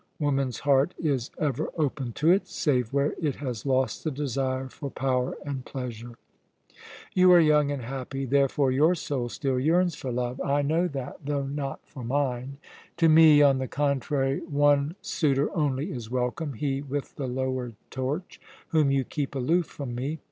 Woman's heart is ever open to it, save where it has lost the desire for power and pleasure. You are young and happy, therefore your soul still yearns for love I know that though not for mine. To me, on the contrary, one suitor only is welcome, he with the lowered torch, whom you keep aloof from me.